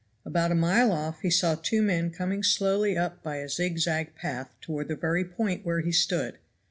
About a mile off he saw two men coming slowly up by a zig zag path toward the very point where he stood.